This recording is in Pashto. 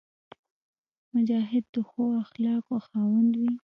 مجاهد د ښو اخلاقو خاوند وي.